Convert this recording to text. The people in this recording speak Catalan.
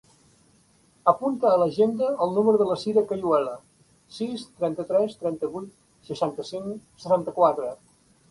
Apunta a l'agenda el número de la Sira Cayuela: sis, trenta-tres, trenta-vuit, seixanta-cinc, setanta-quatre.